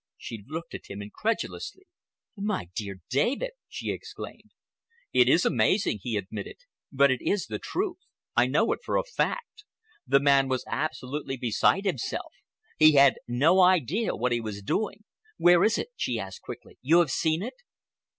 She looked at him incredulously. "My dear David!" she exclaimed. "It is amazing," he admitted, "but it is the truth. I know it for a fact. The man was absolutely beside himself, he had no idea what he was doing." "Where is it?" she asked quickly. "You have seen it?"